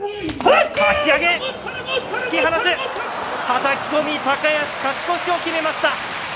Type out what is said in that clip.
はたき込み高安、勝ち越しを決めました。